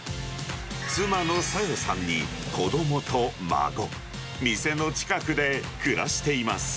妻のさよさんに子どもと孫、店の近くで暮らしています。